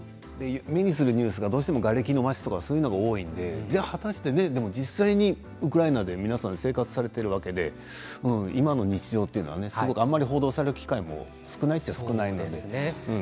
目にするニュースがどうしても、がれきの町とかそういうのが多いので果たして実際にウクライナで皆さん生活されているわけで今の日常あまり放送される機会も少ないっちゃ少ないですよね。